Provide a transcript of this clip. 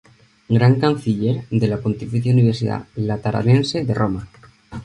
Gran Canciller de la Pontificia Universidad Lateranense de Roma.